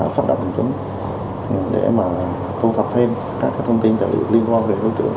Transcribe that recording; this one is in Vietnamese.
phát động chúng để mà thu thập thêm các thông tin liên quan về vụ trưởng